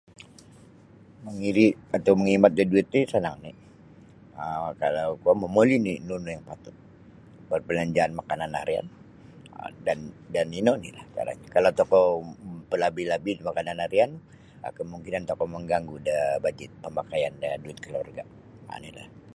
Mamiri' atau mangimat da duit ti sanang oni' um kalau kuo momoli ni' nunu yang patut perbelanjaan makanan harian dan ino onilah caranyo kalau tokou mapalabih-labih da makanan harian um kemungkinan tokou mangganggu da bajet pamakaian da duit keluarga um nilah.